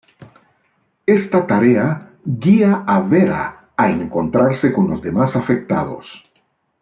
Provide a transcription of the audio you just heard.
Esta tarea guía a Vera a encontrarse con los demás afectados.